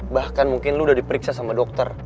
bahkan mungkin lu udah diperiksa sama dokter